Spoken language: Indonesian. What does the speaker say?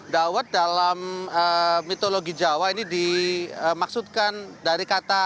dawet dalam mitologi jawa ini dimaksudkan dari kata